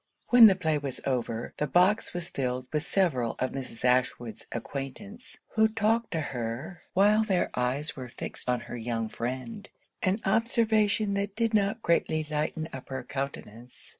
When the play was over, the box was filled with several of Mrs. Ashwood's acquaintance, who talked to her, while their eyes were fixed on her young friend; an observation that did not greatly lighten up her countenance.